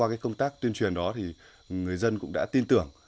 và qua công tác tuyên truyền đó người dân cũng đã tin tưởng